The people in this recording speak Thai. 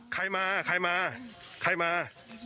ใครมาใครมา